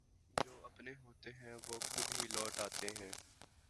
جواپنے ہوتے ہیں وہ خودہی لوٹ آتے ہیں